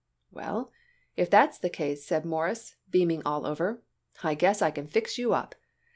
"Well, if that's the case," said Morris, beaming all over, "I guess I can fix you up.